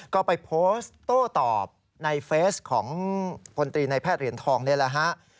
ก็ไปโพสต์โต้ตอบในเฟสของพลตรีในแพทย์เหรียญทองนี่แหละฮะ